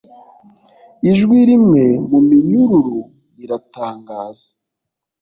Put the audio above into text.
ijwi rimwe muminyururu riratangaza